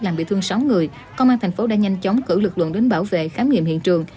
làm bị thương sáu người công an thành phố đã nhanh chóng cử lực lượng đến bảo vệ khám nghiệm hiện trường